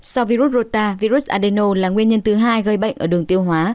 sau virus rota virus adeno là nguyên nhân thứ hai gây bệnh ở đường tiêu hóa